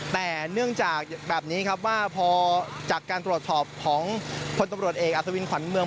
แต่เนื่องจากแบบนี้ครับว่าพอจากการตรวจสอบของพลตำรวจเอกอัศวินขวัญเมือง